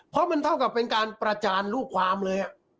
เพราะมันเท่ากับเป็นการประจานลูกความเลย